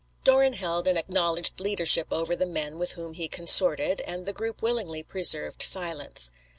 Doran held an acknowledged leadership over the men with whom he consorted, and the group willingly preserved silence.